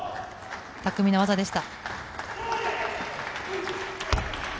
巧みな技でした。